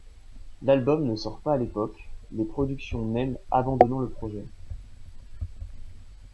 L'album ne sort pas à l'époque, les productions Nems abandonnant le projet.